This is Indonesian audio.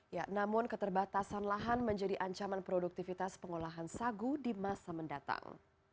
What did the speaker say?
ya namun keterbatasan lahan menjadi ancaman produktivitas pengolahan sagu di masa mendatang